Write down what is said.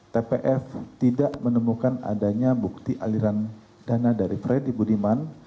tpf tidak menemukan adanya bukti aliran dana dari freddy budiman